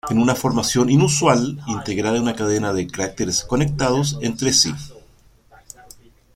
Es una formación inusual, integrada en una cadena de cráteres conectados entre sí.